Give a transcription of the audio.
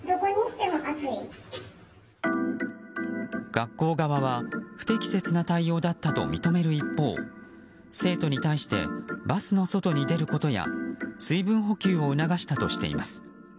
学校側は不適切な対応だったと認める一方生徒に対してバスの外に出ることや水分補給を促したとしています。